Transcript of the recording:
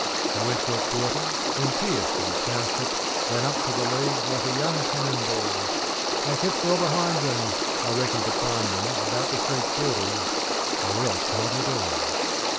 They went for a quarter, then Pearce, of the township, Ran up to the lead like a young cannon ball; I kept well behind them, I reckoned to find them About the three quarters, or else not at all.